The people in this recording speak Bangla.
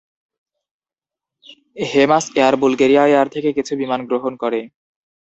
হেমাস এয়ার বুলগেরিয়া এয়ার থেকে কিছু বিমান গ্রহণ করে।